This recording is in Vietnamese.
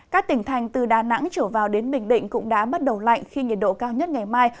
các tỉnh thành từ đà nẵng trở vào đến bình định cũng đã bắt đầu lạnh khi nhiệt độ cao nhất ngày mai